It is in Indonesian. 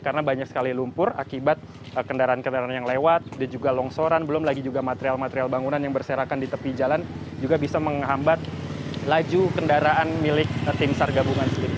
karena banyak sekali lumpur akibat kendaraan kendaraan yang lewat dan juga longsoran belum lagi juga material material bangunan yang berserakan di tepi jalan juga bisa menghambat laju kendaraan milik tim sargabungan sendiri